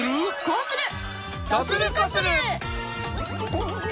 こうする！